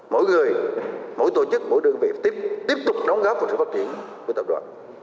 mỗi người mỗi tổ chức mỗi đơn vị tiếp tục đóng góp vào sự phát triển của tập đoàn